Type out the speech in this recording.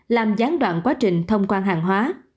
làm gián đoạn quá trình thông quan hàng hóa